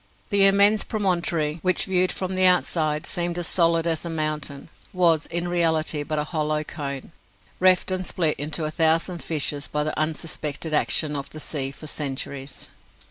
The immense promontory, which, viewed from the outside, seemed as solid as a mountain, was in reality but a hollow cone, reft and split into a thousand fissures by the unsuspected action of the sea for centuries.